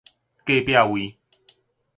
隔壁位